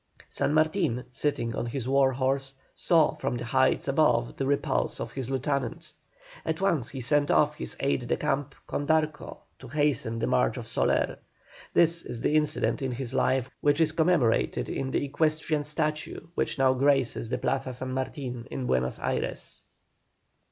San Martin, sitting on his war horse, saw from the heights above the repulse of his lieutenant. At once he sent off his aide de camp Condarco to hasten the march of Soler. This is the incident in his life which is commemorated in the equestrian statue which now graces the Plaza San Martin in Buenos Ayres.